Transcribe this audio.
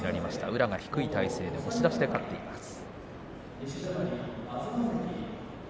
宇良が低い体勢で押し出しで勝っています。